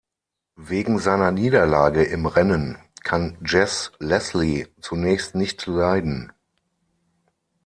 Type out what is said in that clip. Wegen seiner Niederlage im Rennen kann Jess Leslie zunächst nicht leiden.